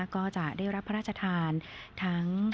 ก็จะได้รับพระราชทานทั้ง